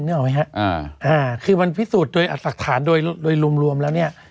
ออกไหมฮะอ่าอ่าคือมันพิสูจน์โดยอักษฐานโดยโดยรวมรวมแล้วเนี่ย